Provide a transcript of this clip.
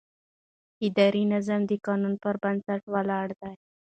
اداري نظام د قانون پر بنسټ ولاړ دی.